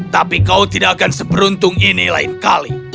tapi kau tidak akan seberuntung ini lain kali